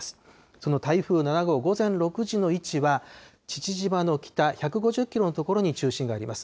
その台風７号、午前６時の位置は、父島の北１５０キロの所に中心があります。